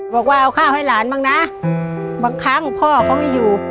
บางครั้งพ่อเขาไม่อยู่